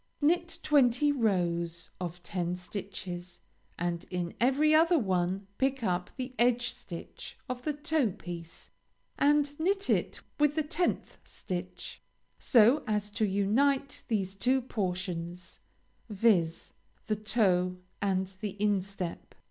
Knit twenty rows of ten stitches, and in every other one pick up the edge stitch of the toe piece and knit it with the tenth stitch, so as to unite these two portions, viz: the toe and the instep.